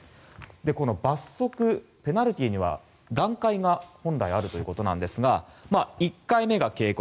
この罰則、ペナルティーには段階が本来あるということですが１回目が警告